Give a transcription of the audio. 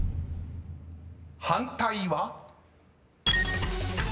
［反対は？］